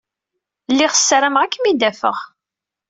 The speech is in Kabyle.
Lliɣ ssarameɣ ad kem-id-afeɣ.